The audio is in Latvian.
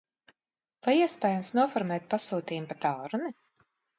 Vai iespējams noformēt pasūtījumu pa tālruni?